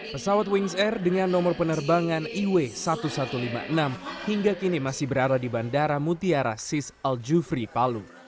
pesawat wings air dengan nomor penerbangan iw seribu satu ratus lima puluh enam hingga kini masih berada di bandara mutiara sis al jufri palu